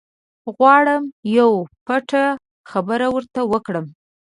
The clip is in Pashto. غواړم یوه پټه خبره ورته وکړم.